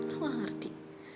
lu gak ngerti